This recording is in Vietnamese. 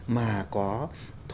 mà có một cái bảo tàng tốt